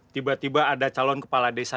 tiba tiba ada calon kepala desa